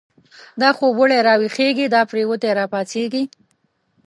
دا خوب و ړی را ویښیږی، دا پریوتی را پاڅیږی